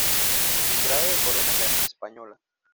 Timbrado de corona real española".